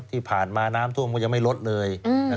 ที่ผ่านมาน้ำท่วมก็ยังไม่ลดเลย